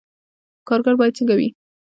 کارګر باید څنګه وي؟